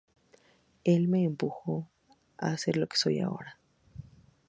Él me empujó a ser lo que soy ahora.